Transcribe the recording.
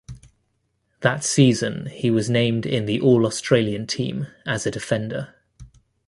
That season, he was named in the All-Australian team as a defender.